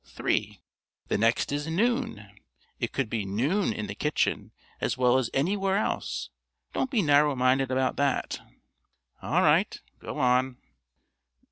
Three. The next is Noon. It could be noon in the kitchen as well as anywhere else. Don't be narrow minded about that." "All right. Go on."